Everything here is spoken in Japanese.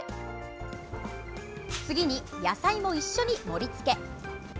次に、野菜も一緒に盛り付け。